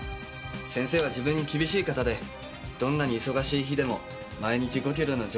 先生は自分に厳しい方でどんなに忙しい日でも毎日５キロのジョギングは欠かさない。